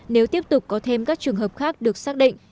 nếu tiếp tục có thêm các trường hợp khác được xác định